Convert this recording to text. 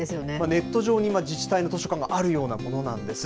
ネット上に自治体の図書館があるようなものなんです。